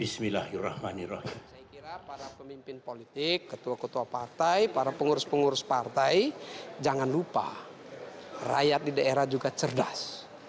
saya kira para pemimpin politik ketua ketua partai para pengurus pengurus partai jangan lupa rakyat di daerah juga cerdas